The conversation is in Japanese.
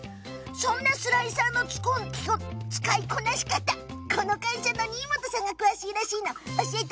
そんなスライサーの使いこなし方この会社の仁井本さんが詳しいんですって。